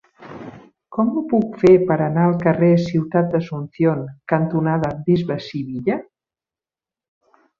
Com ho puc fer per anar al carrer Ciutat d'Asunción cantonada Bisbe Sivilla?